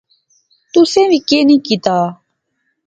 تسیں وی کی نی کیتیا